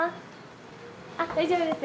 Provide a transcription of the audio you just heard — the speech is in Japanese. あっ大丈夫ですよ。